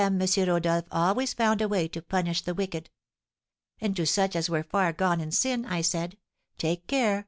Rodolph always found a way to punish the wicked. And to such as were far gone in sin, I said, 'Take care, M.